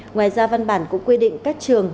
ngoài ra văn bản cũng quy định các trường